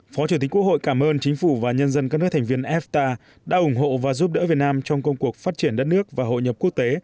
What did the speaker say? phó chủ tịch quốc hội cảm ơn chính phủ và nhân dân các nước thành viên fta đã ủng hộ và giúp đỡ việt nam trong công cuộc phát triển đất nước và hội nhập quốc tế